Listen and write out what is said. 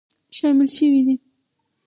شامل شوي دي